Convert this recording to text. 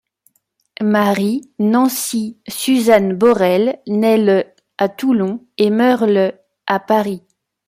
Marie, Nancy, Suzanne Borel naît le à Toulon et meurt le à Paris.